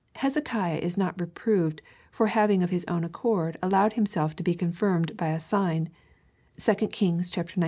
Hezekiah is not reproved for having of his own accord allowed himself to be confirmed by a sign, (2 Kings xix.